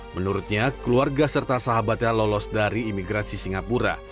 menurutnya keluarga serta sahabatnya lolos dari imigrasi singapura